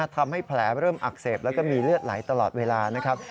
ทำให้แผลเริ่มอักเสบแล้วก็มีเลือดไหลตลอดเวลานะครับ